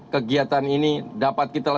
kegiatan ini dapat kita